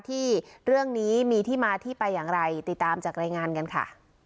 ที่เรื่องนี้มีที่มาที่ไปอย่างไรติดตามจากรายงานกันค่ะ